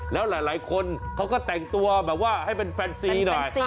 แล้วหลายคนเขาก็แต่งตัวแบบว่าให้เป็นแฟนซีหน่อย